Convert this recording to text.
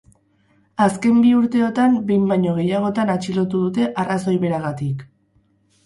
Azken bi urteotan behin baino gehiagotan atxilotu dute arrazoi beragatik.